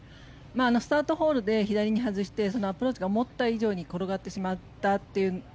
スタートホールで左に外してアプローチが思った以上に転がってしまったという。